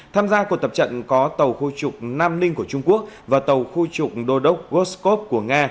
tham gia cuộc tập trận có tàu khu trục nam linh của trung quốc và tàu khu trục đô đốc gorshkov của nga